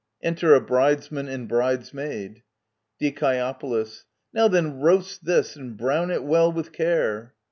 Enter a Bridesman and Bridesmaid. Die. Now then, roast this, and brown it well with care